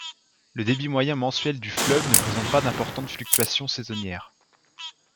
Le débit moyen mensuel du fleuve ne présente pas d'importantes fluctuations saisonnières.